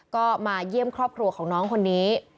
ก็มาเยี่ยมครอบครัวของน้องคนนี้